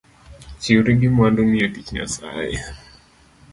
Chiwri gi mwanduni e tich Nyasaye